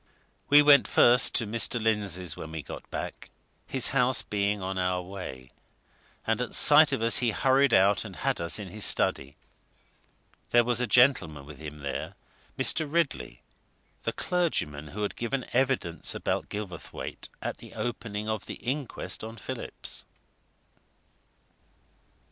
We went first to Mr. Lindsey's when we got back, his house being on our way. And at sight of us he hurried out and had us in his study. There was a gentleman with him there Mr. Ridley, the clergyman who had given evidence about Gilverthwaite at the opening of the inquest on Phillips.